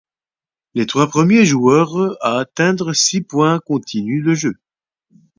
Les trois premiers joueurs à atteindre six points continuent le jeu.